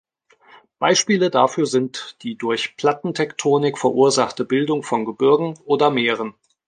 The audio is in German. Beispiele dafür sind die durch Plattentektonik verursachte Bildung von Gebirgen oder Meeren.